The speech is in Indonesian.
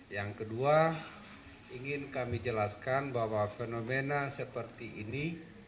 yang kedua ingin kami jelaskan bahwa fenomena seperti ini